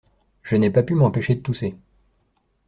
Je n’ai pas pu m’empêcher de tousser.